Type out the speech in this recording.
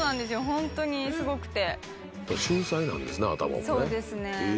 ホントにすごくて。